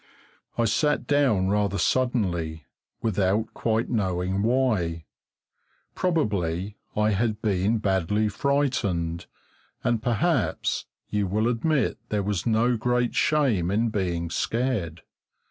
I sat down rather suddenly, without quite knowing why. Probably I had been badly frightened, and perhaps you will admit there was no great shame in being scared.